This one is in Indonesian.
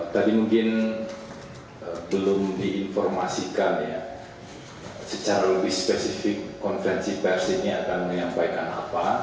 tadi mungkin belum diinformasikan ya secara lebih spesifik konferensi pers ini akan menyampaikan apa